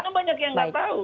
tapi nggak tahu